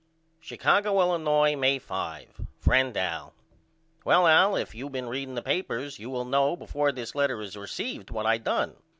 Chicago, Illinois, May 5. FRIEND AL: Well Al if you been reading the papers you will knew before this letter is received what I done.